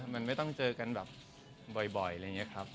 มันไม่ต้องเจอกันแบบบ่อยอะไรอย่างนี้ครับ